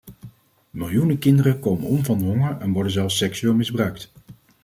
Miljoenen kinderen komen om van de honger en worden zelfs seksueel misbruikt.